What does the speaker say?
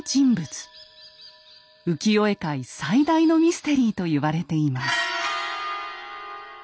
浮世絵界最大のミステリーと言われています。